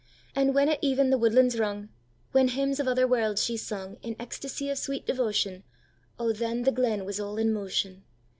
And when at even the woodlands rung, When hymns of other worlds she sungIn ecstasy of sweet devotion,O, then the glen was all in motion!